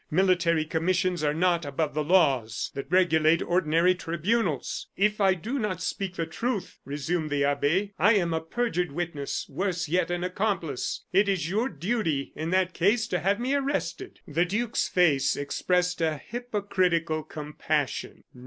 Military commissions are not above the laws that regulate ordinary tribunals." "If I do not speak the truth," resumed the abbe, "I am a perjured witness, worse yet, an accomplice. It is your duty, in that case, to have me arrested." The duke's face expressed a hypocritical compassion.